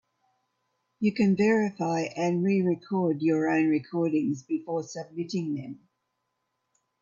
You can verify and re-record your own recordings before submitting them.